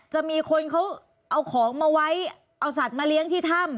จะมีคนเขาเอาของมาไว้เอาสัตว์มาเลี้ยงที่ถ้ำ